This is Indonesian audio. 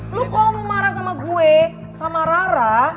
lu kalau mau marah sama gue sama rara